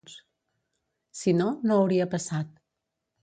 Si no, no hauria passat.